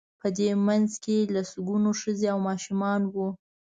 په دې منځ کې سلګونه ښځې او ماشومان وو.